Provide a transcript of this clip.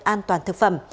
an toàn thực phẩm